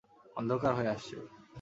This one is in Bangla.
অন্ধকার হয়ে আসছে!